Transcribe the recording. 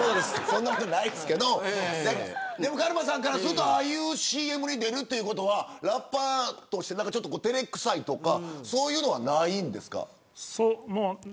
そんなことないですけどカルマさんからするとああいうＣＭに出るということはラッパーとして、照れくさいとかそういうのはないんですか。